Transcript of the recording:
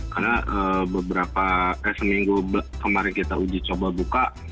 karena beberapa seminggu kemarin kita uji coba buka